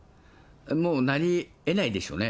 もうなりえないでしょうね。